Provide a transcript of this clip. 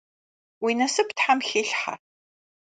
Уи насып Тхьэм хилъхьэ.